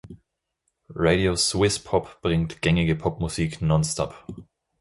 Radio Swiss Pop bringt gängige Popmusik nonstop.